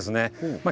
まあ